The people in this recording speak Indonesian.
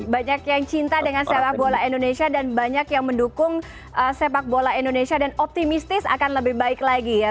banyak yang cinta dengan sepak bola indonesia dan banyak yang mendukung sepak bola indonesia dan optimistis akan lebih baik lagi ya